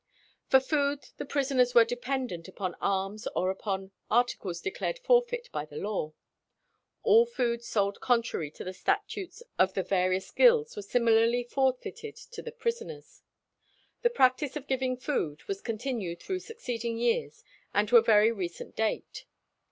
For food the prisoners were dependent upon alms or upon articles declared forfeit by the law. All food sold contrary to the statutes of the various guilds was similarly forfeited to the prisoners. The practice of giving food was continued through succeeding years, and to a very recent date.